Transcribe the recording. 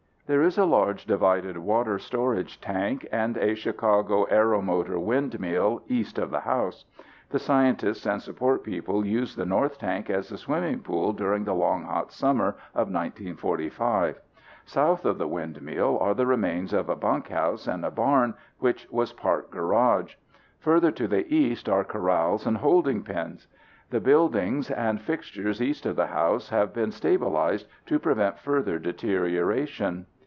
There is a large, divided water storage tank and a Chicago Aeromotor windmill east of the house. The scientists and support people used the north tank as a swimming pool during the long hot summer of 1945. South of the windmill are the remains of a bunkhouse and a barn which was part garage. Further to the east are corrals and holding pens. The buildings and fixtures east of the house have been stabilized to prevent further deterioration.